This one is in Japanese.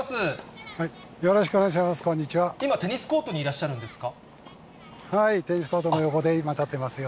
よろしくお願いします、今、テニスコートにいらっしはい、テニスコートの横で、今、立ってますよ。